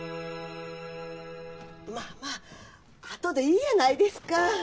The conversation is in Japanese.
まあまああとでいいやないですか